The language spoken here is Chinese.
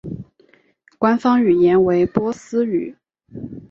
官方语言为波斯语。